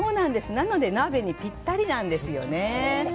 なので鍋にぴったりなんですよね。